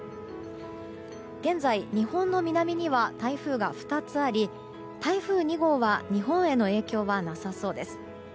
現在、日本の南には台風が２つあり台風２号は日本への影響はなさそうです。